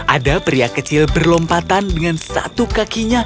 ada pria kecil berlompatan dengan satu kakinya